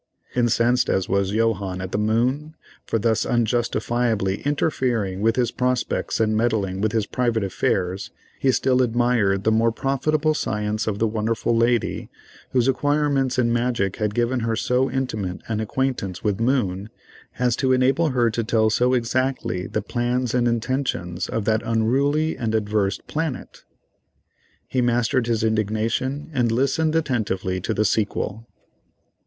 Incensed as was Johannes at Moon for thus unjustifiably interfering with his prospects and meddling with his private affairs, he still admired the more the profitable science of the wonderful lady whose acquirements in magic had given her so intimate an acquaintance with Moon, as to enable her to tell so exactly the plans and intentions of that unruly and adverse planet. He mastered his indignation and listened attentively to the sequel.